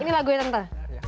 ini lagunya tante